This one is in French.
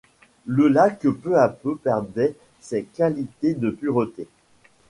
Le lac peu à peu perdait ses qualités de pureté.